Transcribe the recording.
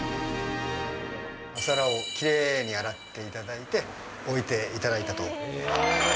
お皿をきれいに洗っていただいて、置いていただいたと。